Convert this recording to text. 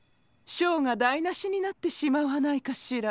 ショーがだいなしになってしまわないかシラ。